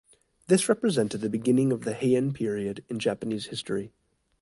This represented the beginning of the Heian period in Japanese history.